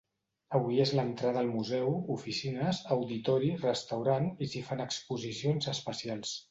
Avui és l'entrada al museu, oficines, auditori, restaurant, i s'hi fan exposicions especials.